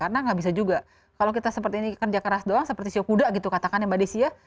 karena nggak bisa juga kalau kita seperti ini kerja keras doang seperti siokuda gitu katakan mbak desia